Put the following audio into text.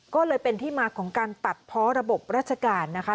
ก็เลยเป็นที่มาของการตัดเพาะระบบราชการนะคะ